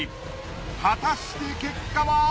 果たして結果は！？